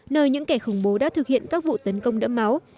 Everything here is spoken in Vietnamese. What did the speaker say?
nơi những kẻ khủng bố đã thực hiện các vụ tấn công đẫm máu